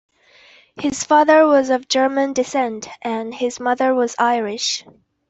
His father was of German descent, and his mother was Irish.